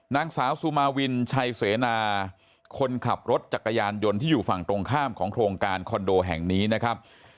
นางสาวสุมาวินชัยเสนาคนขับรถจักรยานยนต์ที่อยู่ฝั่งตรงข้ามของโครงการคอนโดแห่งนี้นะครับ